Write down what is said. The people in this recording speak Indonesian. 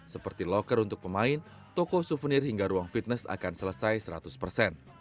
seperti locker untuk pemain toko souvenir hingga ruang fitness akan selesai seratus persen